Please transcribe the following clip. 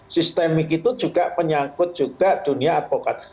sistemik itu juga penyangkut juga dunia advokat